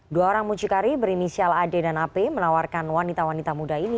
dua orang mucikari berinisial ad dan ap menawarkan wanita wanita muda ini